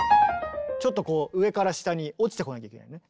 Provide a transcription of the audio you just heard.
ちょっとこう上から下に落ちてこなきゃいけないね。